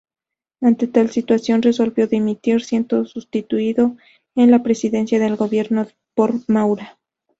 Ante tal situación resolvió dimitir siendo sustituido en la Presidencia del Gobierno por Maura.